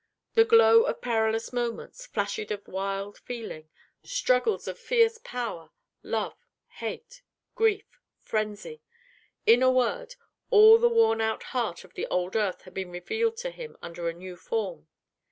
The glow of perilous moments; flashes of wild feeling; struggles of fierce power love, hate, grief, frenzy in a word, all the worn out heart of the old earth had been revealed to him under a new form.